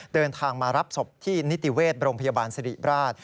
เดินทางมารับศพที่นิติเวชโรงพยาบาลสิริราช